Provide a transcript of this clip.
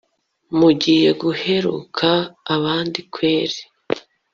mugiye guheruka abandi kweri